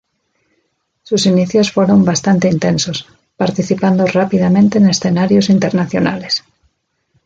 Sus inicios fueron bastante intensos, participando rápidamente en escenarios internacionales.